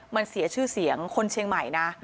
มันเสียชื่อเสียงคนเชียงใหม่นะ